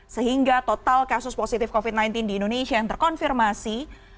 sehingga total kasus positif covid sembilan belas di indonesia yang terkonfirmasi